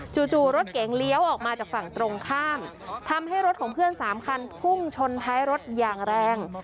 จู่รถเก๋งเลี้ยวออกมาจากฝั่งตรงข้ามทำให้รถของเพื่อนสามคันพุ่งชนท้ายรถอย่างแรง